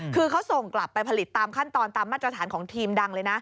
คือเขาส่งกลับไปผลิตตามขั้นตอนตามมาตรฐานของทีมดังเลยนะ